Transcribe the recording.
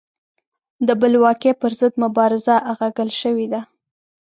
د بلواکۍ پر ضد مبارزه اغږل شوې ده.